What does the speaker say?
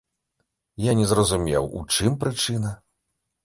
Я не зразумеў, у чым прычына.